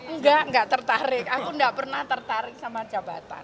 nggak nggak tertarik aku nggak pernah tertarik sama jabatan